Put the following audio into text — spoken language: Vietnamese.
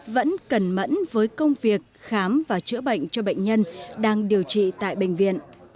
vẫn cẩn mẫn với công việc khám và chữa bệnh cho bệnh nhân đang điều trị tại bệnh viện